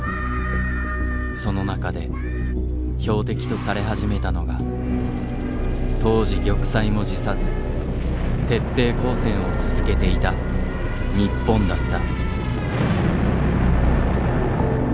その中で標的とされ始めたのが当時玉砕も辞さず徹底抗戦を続けていた日本だった。